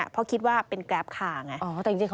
เพราะคิดว่าเป็นแกรปคาไง